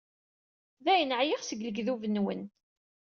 Dayen, ɛyiɣ seg lekdub-nwen.